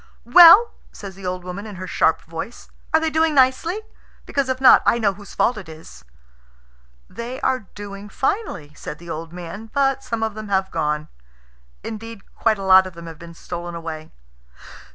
"Well," says the old woman in her sharp voice, "are they doing nicely? Because if not, I know whose fault it is." "They are doing finely," said the old man; "but some of them have gone. Indeed, quite a lot of them have been stolen away."